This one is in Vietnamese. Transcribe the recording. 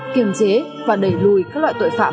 kiềm chế và đẩy lùi các loại tội phạm